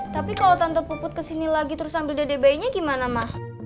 tapi kalau tante puput kesini lagi terus ambil dede bayinya gimana emang